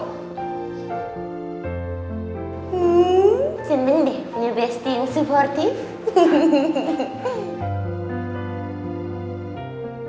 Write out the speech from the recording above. hmmm simpen deh punya besti yang supportif